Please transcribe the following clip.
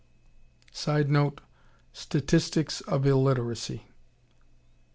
[Sidenote: Statistics of illiteracy.